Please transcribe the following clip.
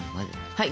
はい。